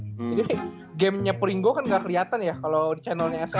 jadi gamenya pringgo kan nggak keliatan ya kalau di channelnya sm ya